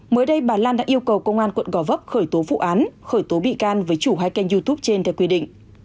mới đây bà lan đã yêu cầu công an quận gò vấp khởi tố vụ án khởi tố bị can với chủ hai kênh youtube trên theo quy định